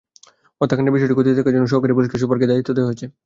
হত্যাকাণ্ডের বিষয়টি খতিয়ে দেখার জন্য সহকারী পুলিশ সুপারকে দায়িত্ব দেওয়া হয়েছে।